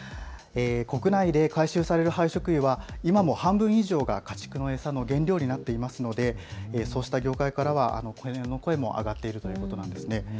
国内で回収される廃食油は今も半分以上が家畜の餌の原料になっていますのでそうした業界からは懸念の声も上がっているということなんです。